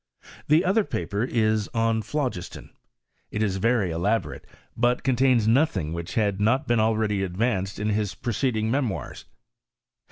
| Theother paper is" OnPhlogislon;"itisvery elabo rate, but contains nothing which had not been al ready advanced in his preceding memoirs.